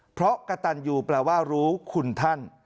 เพราะกระตันยูแปลว่ารู้คุณท่าน